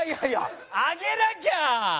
上げなきゃ！